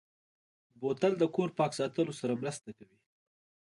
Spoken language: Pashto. بوتل د کور پاک ساتلو سره مرسته کوي.